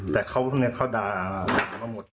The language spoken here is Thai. แต่เขาเนี่ยเขาด่ามาหมด